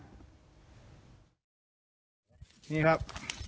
ทีนี้ครับ